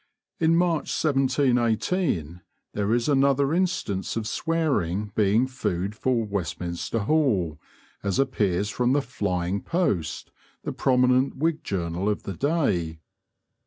In March 1718, there is another instance of swearing being food for Westminster Hall, as appears from the Flying Post, the prominent Whig journal of the day.